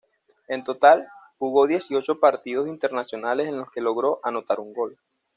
En total, jugó dieciocho partidos internacionales en los que logró anotar un gol.